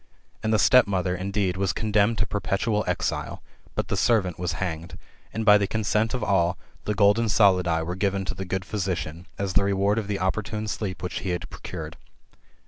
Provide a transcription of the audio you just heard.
And the stepmother, indeed, was condemned to perpetual exile; but the servant was hanged ; and by the consent of all, the golden solidi were given to the good physician, as the reward of the opportune sleep which he had procured.